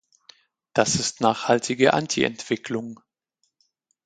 Das ist nachhaltige Antientwicklung.